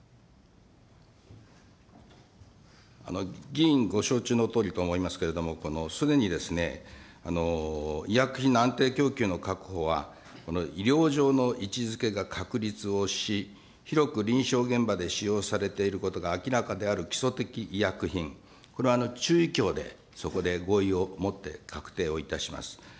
議員ご承知のとおりと思いますけれども、このすでにですね、医薬品の安定供給の確保は、医療上の位置づけが確立をし、広く臨床現場で使用されていることが明らかである基礎的医薬品、これ、中医協で、そこで合意をもって確定をいたします。